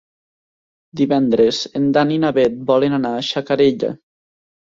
Divendres en Dan i na Bet volen anar a Xacarella.